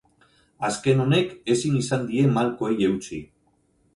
Azken honek ezin izan die malkoei eutsi.